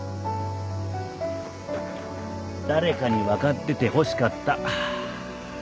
誰かに分かっててほしかったそれだけ。